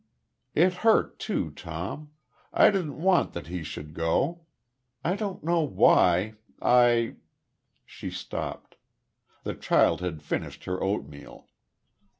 It hurt, too, Tom.... I didn't want that he should go. I don't know why.... I " she stopped. The child had finished her oatmeal.